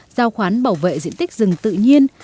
giao khoán bảo vệ diện tích rừng tự nhiên